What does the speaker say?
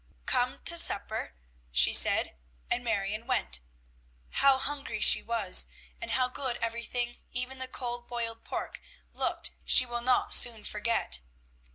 "Come to supper!" she said, and Marion went. How hungry she was, and how good everything, even the cold boiled pork, looked, she will not soon forget!